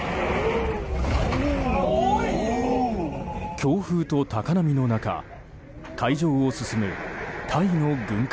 強風と高波の中海上を進むタイの軍艦。